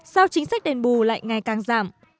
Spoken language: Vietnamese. sao chính sách đền bù lại ngày càng giảm